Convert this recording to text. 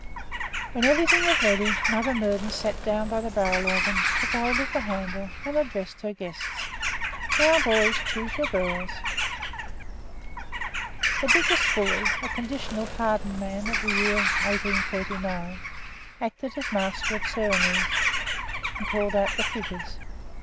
When everything was ready, Mother Murden sat down by the barrel organ, took hold of the handle, and addressed her guests: "Now boys, choose your girls." [ILLUSTRATION 4] The biggest bully, a "conditional pardon" man of the year 1839, acted as master of the ceremonies, and called out the figures.